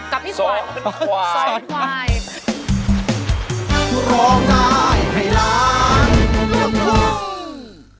กับพี่ควายซ้อนควายซ้อนควายซ้อนควาย